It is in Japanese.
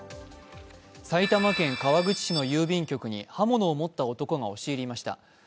埼玉県川口市の郵便局に刃物を持った男が押し入りました。